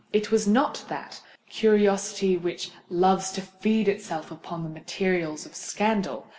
It was not that curiosity which loves to feed itself upon the materials of scandal.